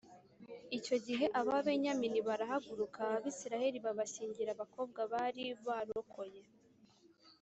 Icyo gihe ababenyamini baragaruka abisirayeli babashyingira abakobwa bari barokoye